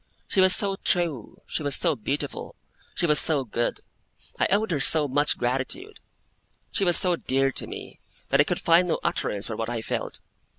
She was so true, she was so beautiful, she was so good, I owed her so much gratitude, she was so dear to me, that I could find no utterance for what I felt.